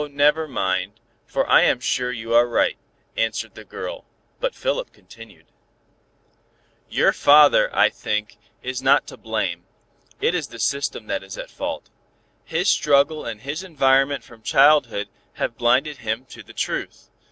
never mind, for I am sure you are right," answered the girl, but Philip continued "Your father, I think, is not to blame. It is the system that is at fault. His struggle and his environment from childhood have blinded him to the truth.